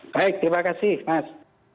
baik terima kasih mas